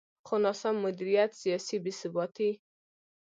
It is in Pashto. خو ناسم مدیریت، سیاسي بې ثباتي.